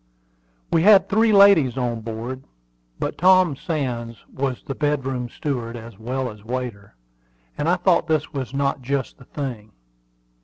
We had three ladies on board; but Tom Sands was the bedroom steward as well as waiter, and I thought this was not just the thing.